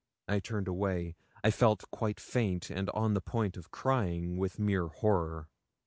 I turned away. I felt quite faint, and on the point of crying, with mere horror.